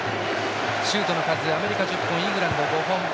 シュートの数はアメリカ、１０本イングランド、５本。